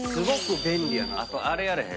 あとあれやれへん？